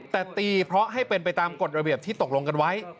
แต่ตีเพราะให้เป็นไปตามกฎระเบียบที่ตกลงกันไว้